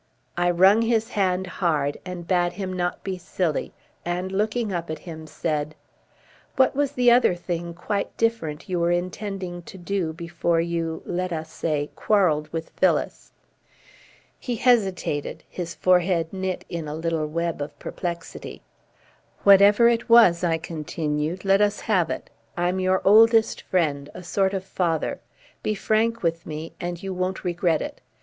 I wrung his hand hard and bade him not be silly, and, looking up at him, said: "What was the other thing quite different you were intending to do before you, let us say, quarreled with Phyllis?" He hesitated, his forehead knit in a little web of perplexity. "Whatever it was," I continued, "let us have it. I'm your oldest friend, a sort of father. Be frank with me and you won't regret it.